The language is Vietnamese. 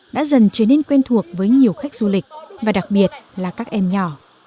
đã dần trở nên quen thuộc với nhiều khách du lịch và đặc biệt là các em nhỏ